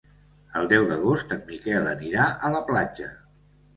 El deu d'agost en Miquel anirà a la platja.